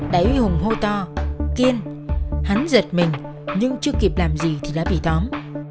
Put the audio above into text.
đại huy hùng hô to kiên hắn giật mình nhưng chưa kịp làm gì thì đã bị tóm